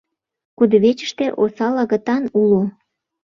Кудывечыште осал агытан уло!»